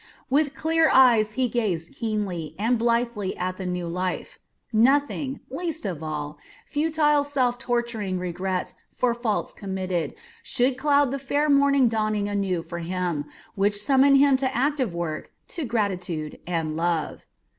With clear eyes he gazed keenly and blithely at the new life. Nothing, least of all, futile self torturing regret for faults committed, should cloud the fair morning dawning anew for him, which summoned him to active work, to gratitude and love.